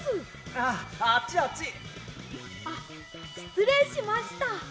あっしつれいしました。